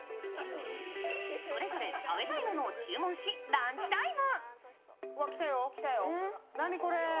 それぞれ食べたいものを注文しランチタイム。